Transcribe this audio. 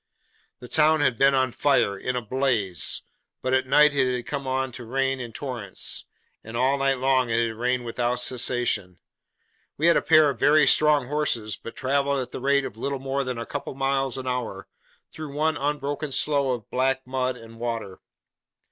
The town had been on fire; in a blaze. But at night it had come on to rain in torrents, and all night long it had rained without cessation. We had a pair of very strong horses, but travelled at the rate of little more than a couple of miles an hour, through one unbroken slough of black mud and water.